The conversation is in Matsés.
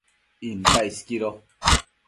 Intac isquido